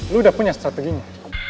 lo udah punya strateginya